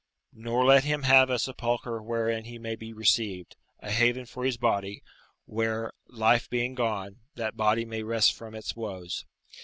["Nor let him have a sepulchre wherein he may be received, a haven for his body, where, life being gone, that body may rest from its woes."